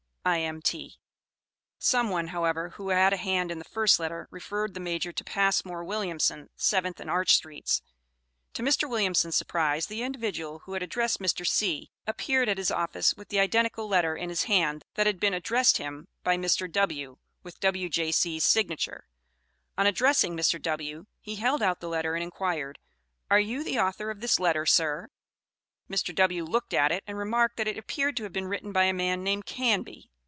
I.M.T. Some one, however, who had a hand in the first letter, referred the Major to Passmore Williamson, Seventh and Arch Streets. To Mr. Williamson's surprise the individual who had addressed Mr. C. appeared at his office with the identical letter in his hand that had been addressed him by Mr. W. (with W.J.C.'s signature.) On addressing Mr. W. he held out the letter and inquired: "Are you the author of this letter, sir?" Mr. W. looked at it and remarked that it appeared to have been written by a man named Canby.